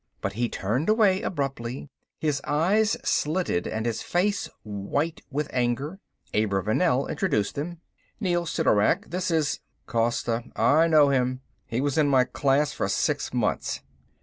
But he turned away abruptly, his eyes slitted and his face white with anger. Abravanel introduced them. "Neel Sidorak, this is " "Costa. I know him. He was in my class for six months."